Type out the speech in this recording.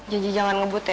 janji jangan ngebut ya